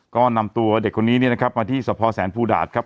ก็นำตัวเด็กคนนี้เนี่ยนะครับมาที่สะพอแสนภูดาตครับ